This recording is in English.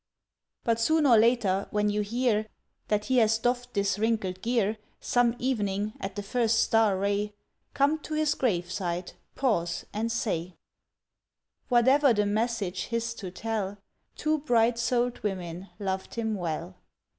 But soon or later, when you hear That he has doffed this wrinkled gear, Some evening, at the first star ray, Come to his graveside, pause and say: "Whatever the message his to tell, Two bright souled women loved him well."